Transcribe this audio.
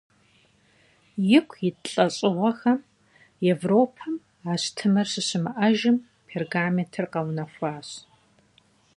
Ику ит лӏэщӏыгъуэхэм Европэм ащтымыр щыщымыӏэжым, пергаментыр къэунэхуащ.